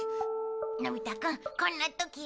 のび太くんこんな時は。